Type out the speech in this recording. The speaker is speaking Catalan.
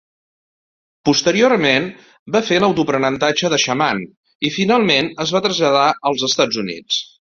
Posteriorment, va fer l'autoaprenentatge de xaman i, finalment, es va traslladar als Estats Units.